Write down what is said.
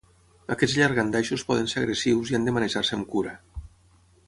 Aquests llangardaixos poden ser agressius i han de manejar-se amb cura.